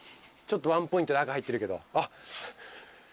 ワンポイントで赤入ってるけど。